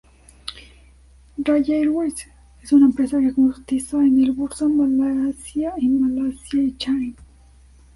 Raya Airways es una empresa que cotiza en el Bursa Malaysia o Malaysia Exchange.